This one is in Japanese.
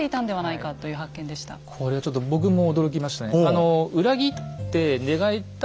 これはちょっと僕も驚きましたね。